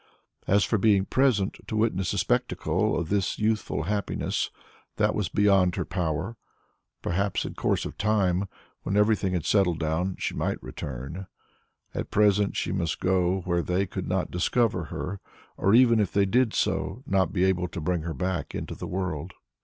As for being present to witness the spectacle of this youthful happiness, that was beyond her power. Perhaps in course of time, when everything had settled down, she might return. At present she must go where they could not discover her, or even if they did so, not be able to bring her back into the world.